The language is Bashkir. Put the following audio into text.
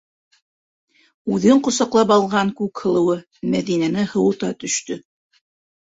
Үҙен ҡосаҡлап алған Күкһылыуы Мәҙинәне һыуыта төштө.